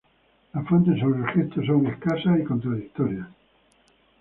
Las fuentes sobre el gesto son escasas y contradictorias.